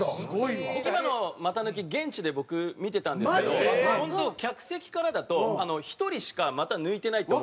今の股抜き現地で僕見てたんですけど本当客席からだと１人しか股抜いてないって思ったんですよ。